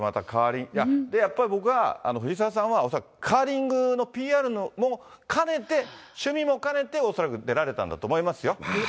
やっぱり僕は、藤澤さんは恐らくカーリングのＰＲも兼ねて、趣味も兼ねて恐らく出られたんだと思いますよ。